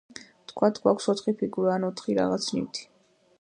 ვთქვათ, გვაქვს ოთხი ფიგურა, ან ოთხი რაღაც ნივთი.